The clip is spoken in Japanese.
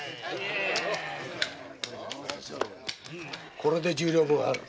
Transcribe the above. これで十両分ある。